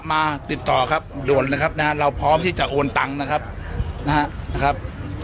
มาติดต่อครับด่วนเลยครับนะฮะเราพร้อมที่จะโอนตังค์นะครับนะครับ